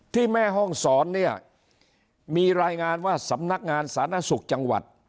แม่ห้องศรเนี่ยมีรายงานว่าสำนักงานสาธารณสุขจังหวัด